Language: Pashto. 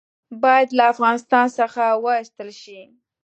باید له افغانستان څخه وایستل شي.